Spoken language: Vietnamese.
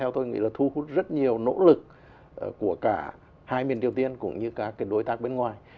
tôi nghĩ là thu hút rất nhiều nỗ lực của cả hai miền triều tiên cũng như các đối tác bên ngoài